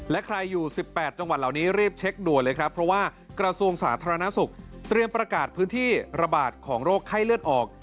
และใครอยู่๑๘จังหวัดเหล่านี้รีบเช็คด่วนเลยครับเพราะว่ากระทรวงสาธารณสุขเตรียมประกาศพื้นที่ระบาดของโรคไข้เลือดออก